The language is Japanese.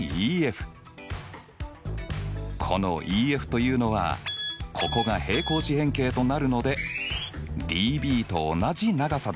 このＥＦというのはここが平行四辺形となるのでＤＢと同じ長さだね。